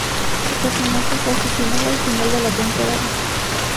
Su personaje fue asesinado al final de la temporada.